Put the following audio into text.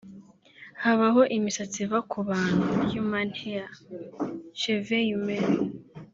Habaho imisatsi iva ku bantu (human hair/cheveux humain)